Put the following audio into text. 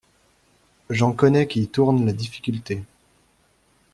J'en connais qui tournent la difficulté.